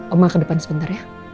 oma ke depan sebentar ya